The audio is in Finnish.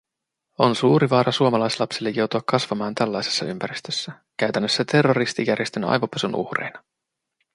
On suuri vaara suomalaislapsille joutua kasvamaan tällaisessa ympäristössä – käytännössä terroristijärjestön aivopesun uhreina.